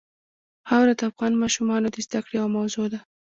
خاوره د افغان ماشومانو د زده کړې یوه موضوع ده.